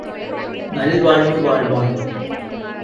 நல் வாழ்வு வாழ்வாய்!